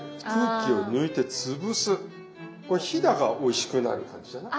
これヒダがおいしくなる感じじゃない？